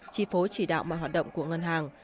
chi phối chỉ đạo mọi hoạt động của ngân hàng